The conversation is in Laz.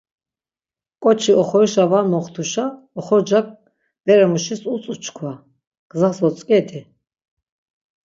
Ǩoçi, oxorişa var moxtuşa oxorcak bere muşis utzu çkva, Gzas otzǩedi.